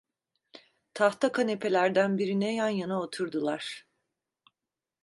Tahta kanapelerden birine yan yana oturdular.